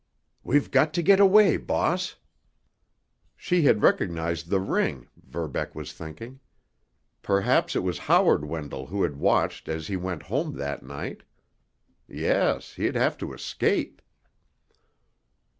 "We've got to get away, boss!" She had recognized the ring, Verbeck was thinking. Perhaps it was Howard Wendell who had watched as he went home that night. Yes—he'd have to escape.